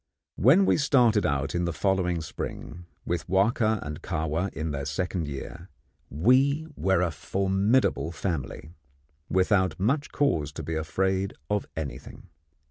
When we started out in the following spring, with Wahka and Kahwa in their second year, we were a formidable family, without much cause to be afraid of anything.